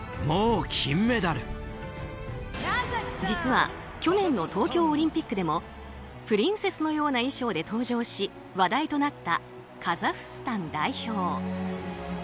実は去年の東京オリンピックでもプリンセスのような衣装で登場し話題となったカザフスタン代表。